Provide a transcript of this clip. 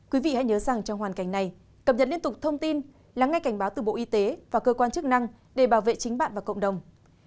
quý vị hãy nhớ rằng trong hoàn cảnh này cập nhật liên tục thông tin lắng nghe cảnh báo từ bộ y tế và cơ quan chức năng để bảo vệ chính bạn và cộng đồng